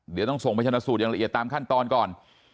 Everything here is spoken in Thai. เดี๋ยวต้องส่งไปชนะสูตรอย่างละเอียดตามขั้นตอนก่อน